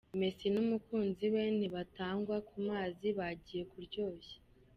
Messi n'umukunzi we ntibatangwa ku mazi bagiye kuryoshya.